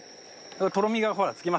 とろみがほらつきますね